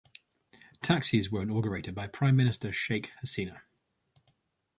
The taxis were inaugurated by Prime Minister Sheikh Hasina.